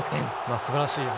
すばらしい。